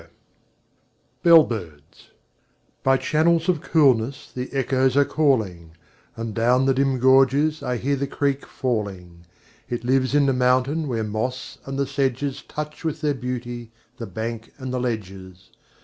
Y Z Bellbirds BY channels of coolness the echoes are calling, And down the dim gorges I hear the creek falling: It lives in the mountain where moss and the sedges Touch with their beauty the banks and the ledges.